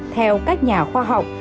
theo các nhà khoa học